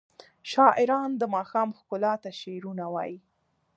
شاعران د ماښام ښکلا ته شعرونه وايي.